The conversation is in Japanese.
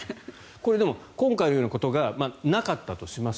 でも、今回のようなことがなかったとします。